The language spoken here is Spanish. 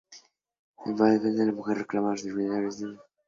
El panfleto defiende a la mujer y reclama seriamente la autoría de la mujer.